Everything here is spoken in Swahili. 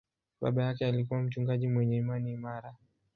Baba yake alikuwa mchungaji mwenye imani imara.